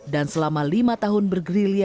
dan selama lima tahun bergerili